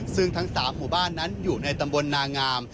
ซึ่งทั้ง๓หมู่บ้านนั้นอยู่ในตำบลนางาม